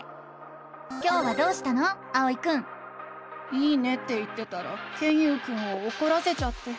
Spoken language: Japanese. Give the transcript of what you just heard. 「いいね」って言ってたらケンユウくんをおこらせちゃって。